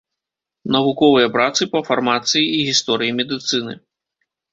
Навуковыя працы па фармацыі і гісторыі медыцыны.